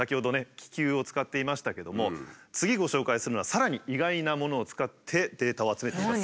気球を使っていましたけども次ご紹介するのはさらに意外なものを使ってデータを集めています。